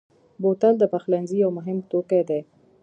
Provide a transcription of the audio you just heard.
بوتل د پخلنځي یو مهم توکی دی.